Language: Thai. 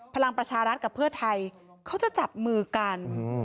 พลังประชารัฐกับเพื่อไทยเขาจะจับมือกัน